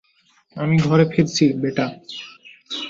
আমি ঘরে ফিরছি, বেটা!